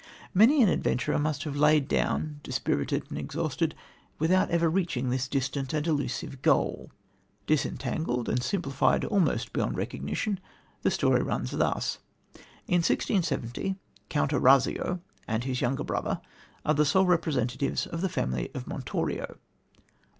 Many an adventurer must have lain down, dispirited and exhausted, without ever reaching his distant and elusive goal. Disentangled and simplified almost beyond recognition, the story runs thus: In 1670, Count Orazio and his younger brother are the sole representatives of the family of Montorio.